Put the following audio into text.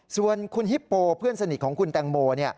ส่วนคุณฮิปโปเพื่อนสนิทของคุณแตงโม